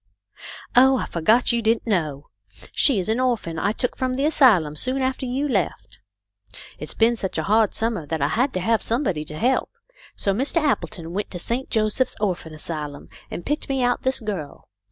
" Oh, I forgot you didn't know. She is an orphan I took from the asylum soon after you left. It's 38 THE LITTLE COLONEL'S HOLIDAYS. been such a hard summer that I had to have some body to help, so Mr. Appleton went to St. Joseph's orphan asylum and picked me out this girl.